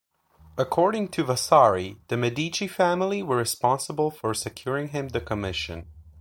According to Vasari, the Medici family were responsible for securing him the commission.